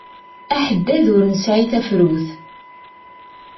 Aḥeddad ur nesɛi tafrut.